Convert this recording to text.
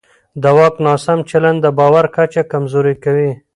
د واک ناسم چلند د باور کچه کمزوری کوي